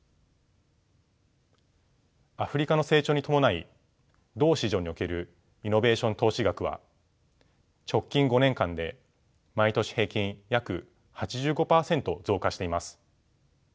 アフリカの成長に伴い同市場におけるイノベーション投資額は直近５年間で毎年平均約８５％増加しています。